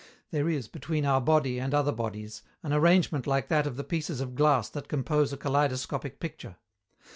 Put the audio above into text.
There is, between our body and other bodies, an arrangement like that of the pieces of glass that compose a kaleidoscopic picture.